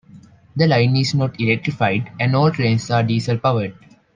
The line is not electrified and all trains are diesel-powered.